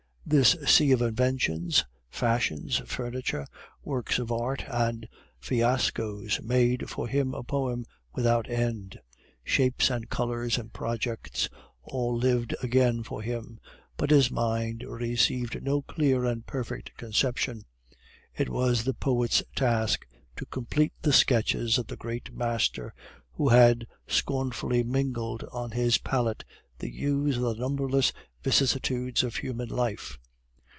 This sea of inventions, fashions, furniture, works of art and fiascos, made for him a poem without end. Shapes and colors and projects all lived again for him, but his mind received no clear and perfect conception. It was the poet's task to complete the sketches of the great master, who had scornfully mingled on his palette the hues of the numberless vicissitudes of human life.